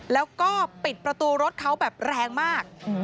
แล้วก็ปิดประตูรถเขาแบบแรงมาก